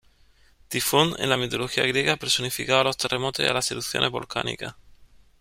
Tifón, en la mitología griega, personificaba a los terremotos y a las erupciones volcánicas.